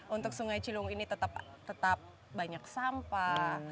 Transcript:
untuk sungai cilung ini tetap banyak sampah